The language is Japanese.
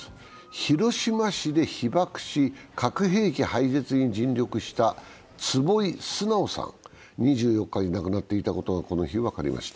広島市で被爆し、核兵器廃絶に尽力した坪井直さん、２４日に亡くなっていたことがこの日、分かりました。